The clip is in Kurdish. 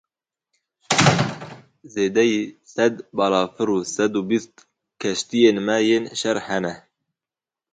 Zêdeyî sed balafir û sed û bîst keştiyên me yên şer hene.